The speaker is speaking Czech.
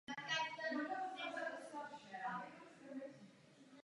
Používají se v Koreji.